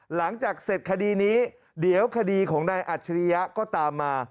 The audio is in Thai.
หลังจากเสร็จคดีนี้เดี๋ยวคดีของนายอัจฉริยะก็ตามมา